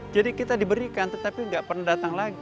jadi kita diberikan tetapi gak pernah datang lagi